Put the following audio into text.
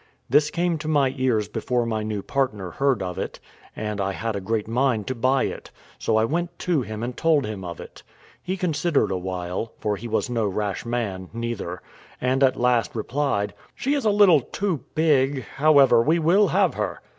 This came to my ears before my new partner heard of it, and I had a great mind to buy it; so I went to him and told him of it. He considered a while, for he was no rash man neither; and at last replied, "She is a little too big however, we will have her."